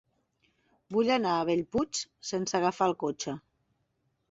Vull anar a Bellpuig sense agafar el cotxe.